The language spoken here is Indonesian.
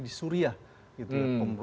di suriah gitu ya